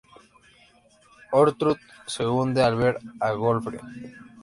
Ortrud se hunde al ver a Gottfried.